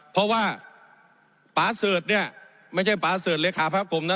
เพราะว่าป๊าเสิร์ชเนี่ยไม่ใช่ป๊าเสิร์ชเลขาพระกรมนะ